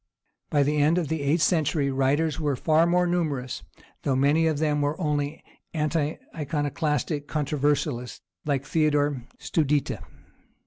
By the end of the eighth century writers were far more numerous, though many of them were only anti Iconoclastic controversialists, like Theodore Studita.